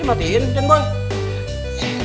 liat gue cabut ya